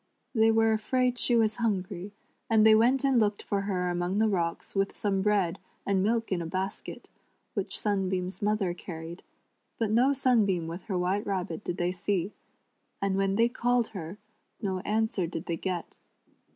They were afraid she was hungry, and they went and looked for her among tlie rocks with some bread and milk in a basket, which Sun beam's mother carried, but no Sunbeam wiih her White Rabbit did they see, and when they called her no answer did they get.